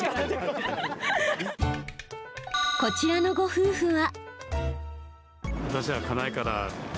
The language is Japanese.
こちらのご夫婦は。